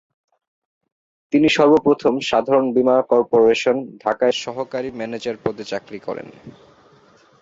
তিনি সর্ব প্রথম সাধারণ বীমা কর্পোরেশন, ঢাকায় সহকারী ম্যানেজার পদে চাকরি করেন।